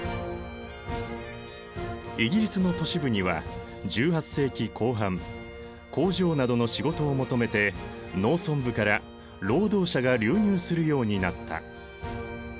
イギリスの都市部には１８世紀後半工場などの仕事を求めて農村部から労働者が流入するようになった。